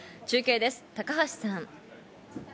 中継です、高橋さん。